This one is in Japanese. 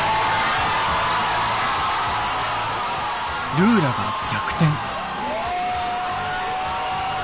ルーラが逆転。